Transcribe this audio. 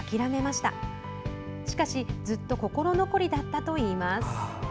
しかし、ずっと心残りだったといいます。